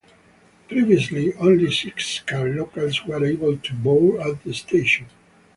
Previously, only six-car locals were able to board at the station.